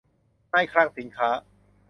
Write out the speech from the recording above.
นายคลังสินค้า